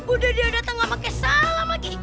udah dia datang nggak pake salam lagi